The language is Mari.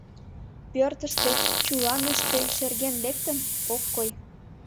Пӧртыштӧ, чуланыште шерген лектым — ок кой.